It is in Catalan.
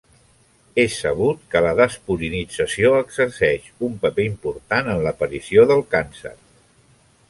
És sabut que la despurinització exerceix un paper important en l'aparició del càncer.